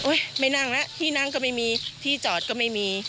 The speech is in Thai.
ไม่นั่งแล้วที่นั่งก็ไม่มีที่จอดก็ไม่มี